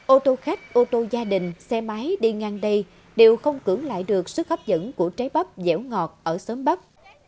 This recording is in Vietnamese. ô tô khách ô tô gia đình xe máy đi ngang đây đều không cử lại được sức hấp dẫn của trái bắp dẻo ngọt ở xóm bắp